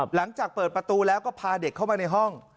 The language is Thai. หลังจากเปิดประตูแล้วก็พาเด็กเข้ามาในห้อง